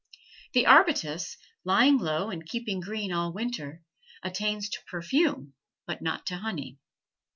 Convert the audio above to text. The arbutus, lying low and keeping green all winter, attains to perfume, but not to honey.